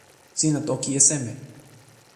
sina toki e seme?